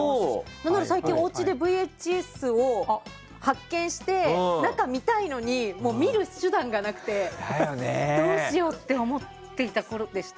何なら最近おうちでＶＨＳを発見して中、見たいのに見る手段がなくてどうしようって思っていたころでした。